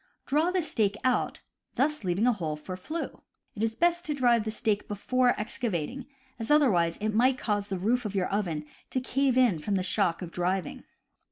Draw the stake out, thus leaving a hole for flue. It is best to drive the stake before excavating, as otherwise it might cause the roof of your oven to cave in from the shock of driving.